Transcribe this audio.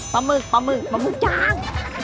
ปะมึกปะมึกปะมึกจาง